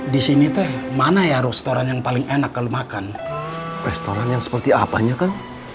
di sini teh mana ya restoran yang paling enak kalau makan restoran yang seperti apanya kan